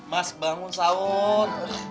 mas bangun sahur